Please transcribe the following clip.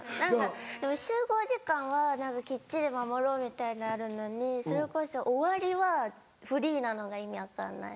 でも集合時間はきっちり守ろうみたいのあるのにそれこそ終わりはフリーなのが意味分かんない。